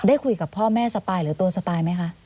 ได้คุยกับพ่อแม่สปายหรือตัวสปายไหมคะ